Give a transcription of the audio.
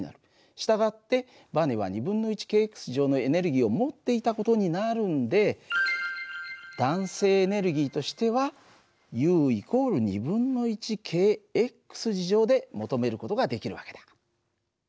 従ってバネはｋのエネルギーを持っていた事になるんで弾性エネルギーとしてはＵ＝ｋで求める事ができる訳だ。